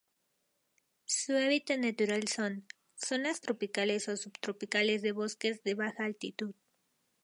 Su hábitat natural son: zonas tropicales o subtropicales, de bosques de baja altitud.